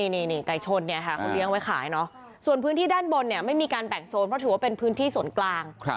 นี่ไก่ชนเนี่ยค่ะเขาเลี้ยงไว้ขายเนาะส่วนพื้นที่ด้านบนเนี่ยไม่มีการแบ่งโซนเพราะถือว่าเป็นพื้นที่ส่วนกลาง